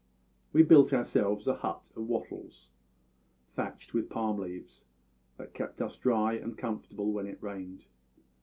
"We built ourselves a hut of wattles, thatched with palm leaves, that kept us dry and comfortable when it rained.